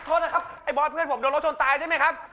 โทษนะครับไอ้บอสเพื่อนผมโดนรถชนตายใช่ไหมครับ